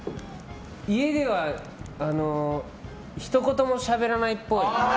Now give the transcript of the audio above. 家ではひと言もしゃべらないっぽい。